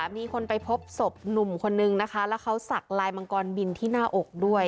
มีคนไปพบศพหนุ่มคนนึงนะคะแล้วเขาสักลายมังกรบินที่หน้าอกด้วย